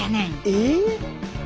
えっ？